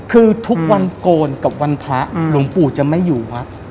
คือทุกวันโกนกับวันพระหลวงปู่จะไม่อยู่วัด